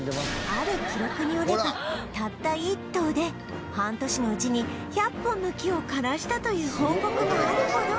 ある記録によればたった１頭で半年のうちに１００本の木を枯らしたという報告もあるほど